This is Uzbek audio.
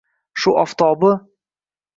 Shu oftobu